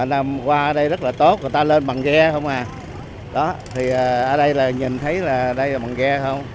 năm qua đây rất là tốt người ta lên bằng ghe không à đó thì ở đây là nhìn thấy là đây là bằng ghe không